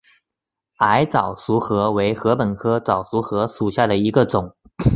矮早熟禾为禾本科早熟禾属下的一个种。